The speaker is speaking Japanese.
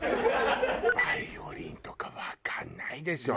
バイオリンとかわかんないでしょ？